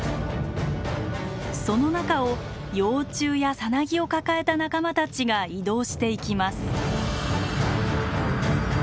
その中を幼虫やさなぎを抱えた仲間たちが移動していきます。